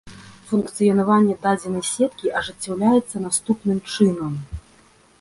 Функцыянаванне дадзенай сеткі ажыццяўляецца наступным чынам.